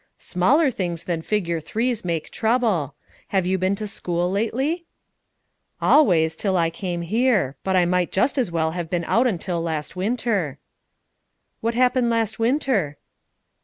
"Smaller things than figure threes make trouble. Have you been to school lately?" "Always, till I came here; but I might just as well have been out until last winter." "What happened last winter?"